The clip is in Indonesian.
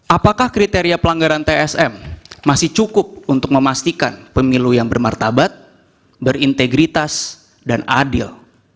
apakah kriteria pelanggaran tsm masih cukup untuk memastikan pemilu yang bermartabat berintegritas dan adil